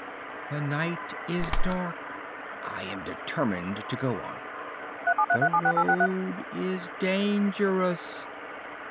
"The night is dark!" "I am determined to go on." "The road is dangerous!"